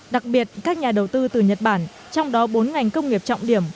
đặc biệt các nhà đầu tư từ nhật bản trong đó bốn ngành công nghiệp trọng điểm